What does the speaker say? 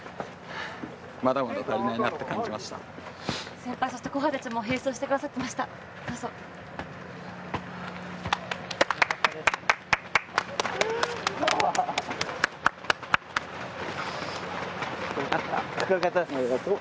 先輩たち、後輩たちも並走してくださってました。